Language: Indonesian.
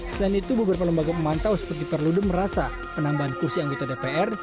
selain itu beberapa lembaga pemantau seperti perludem merasa penambahan kursi anggota dpr